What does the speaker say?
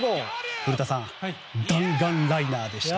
古田さん、弾丸ライナーでした。